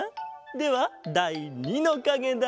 ではだい２のかげだ。